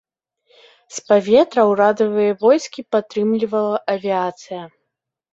З паветра ўрадавыя войскі падтрымлівала авіяцыя.